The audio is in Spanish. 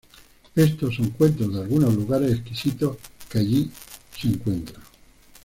Estos son cuentos de algunos lugares exquisitos que allí se encuentran.